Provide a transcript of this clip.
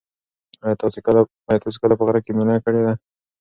ایا تاسي کله په غره کې مېله کړې ده؟